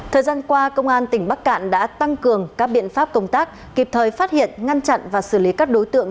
thời gian qua công an tỉnh bắc cạn đã tăng cường các biện pháp công tác kịp thời phát hiện ngăn chặn và xử lý các đối tượng